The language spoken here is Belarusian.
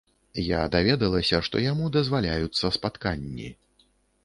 Я даведалася, што яму дазваляюцца спатканні.